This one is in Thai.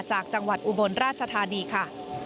จากจังหวัดอุบลราชธานีค่ะ